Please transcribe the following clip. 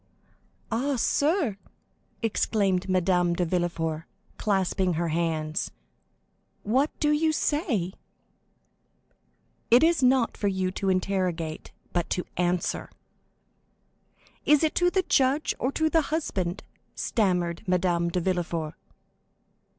"Ah, sir," exclaimed Madame de Villefort, clasping her hands, "what do you say?" "It is not for you to interrogate, but to answer." "Is it to the judge or to the husband?" stammered Madame de Villefort.